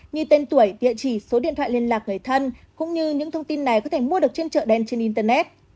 như tên tuổi địa chỉ số điện thoại liên lạc người thân cũng như những thông tin này có thể mua được trên chợ đen trên internet